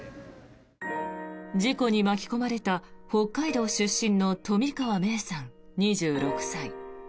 事故に巻き込まれた北海道出身の冨川芽生さん、２６歳。